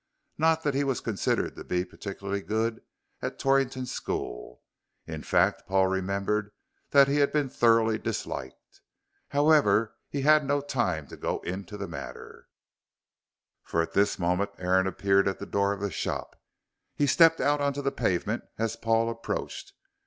Not that he was considered to be particularly good at Torrington school. In fact, Paul remembered that he had been thoroughly disliked. However, he had no time to go into the matter, for at this moment Aaron appeared at the door of the shop. He stepped out on to the pavement as Paul approached.